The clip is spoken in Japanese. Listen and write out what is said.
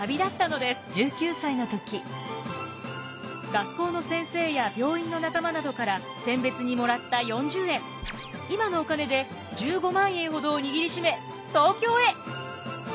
学校の先生や病院の仲間などからせん別にもらった４０円今のお金で１５万円ほどを握りしめ東京へ。